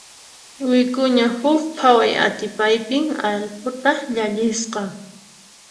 Wik'uña huk phaway atipaypi allquta llallisqa.